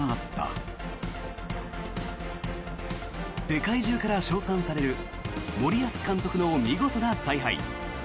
世界中から称賛される森保監督の見事な采配。